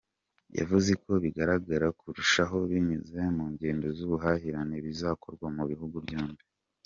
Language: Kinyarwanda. Yavuze ko bizagaragara kurushaho binyuze mu ngendo z’ubuhahirane bizakorwa mu bihugu byombi.